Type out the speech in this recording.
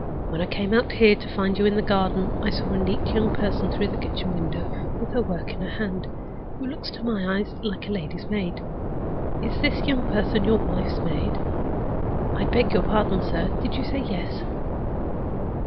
When I came out here to find you in the garden, I saw a neat young person through the kitchen window, with her work in her hand, who looked to my eyes like a lady's maid. Is this young person your wife's maid? I beg your pardon, sir, did you say yes?